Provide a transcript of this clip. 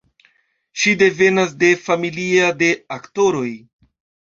Ŝi devenas de familia de aktoroj.